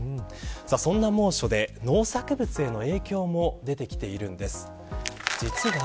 そんな猛暑で農作物への影響も出てきているんです。